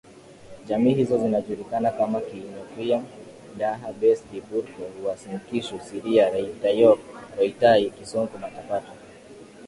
Jamii hizo zinajulikana kama Keekonyokie Daha Besdi Purko Wuasinkishu Siria Laitayiok Loitai Kisonko Matapato